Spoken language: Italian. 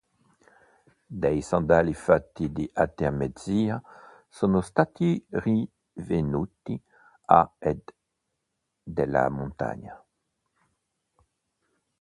Dei sandali fatti di artemisia sono stati rinvenuti a est della montagna.